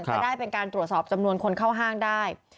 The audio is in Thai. จะได้เป็นการตรวจสอบจำนวนคนเข้าห้างได้